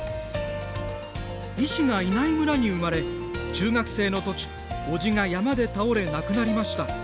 医師がいない村に生まれ中学生のときおじが山で倒れ亡くなりました。